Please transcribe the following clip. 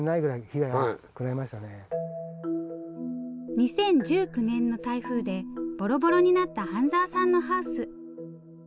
２０１９年の台風でぼろぼろになった榛沢さんのハウス。